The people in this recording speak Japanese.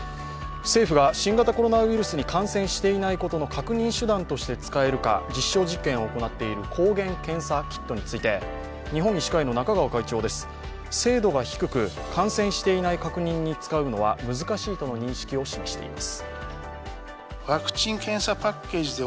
政府が新型コロナウイルスに感染していないことの確認手段として使えるか実証実験を行っている抗原検査キットについて、日本医師会の中川会長です精度が低く、感染していない確認に使うのは難しいとの認識を示しています。